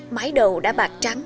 mái đầu đã bạc trắng